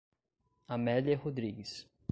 Amélia Rodrigues